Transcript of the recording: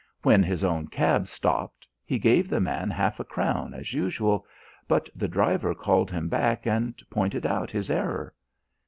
When his own cab stopped he gave the man half a crown as usual; but the driver called him back and pointed out his error.